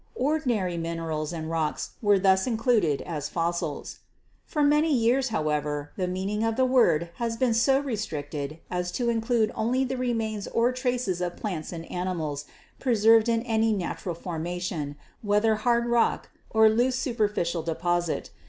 Ordinary min erals and rocks were thus included as fossils. "For many years, however, the meaning of the word has been so restricted as to include only the remains or traces of plants and animals preserved in any natural formation, whether hard rock or loose superficial deposit.